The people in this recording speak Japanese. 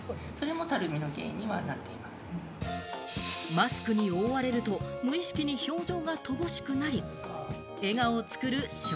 マスクにおおわれると無意識に表情が乏しくなり、笑顔を作る笑